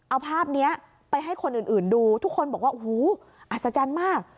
เอาภาพนี้ไปให้คนอื่นดูทุกคนบอกว่าโอ้โหอัศจรรย์มาก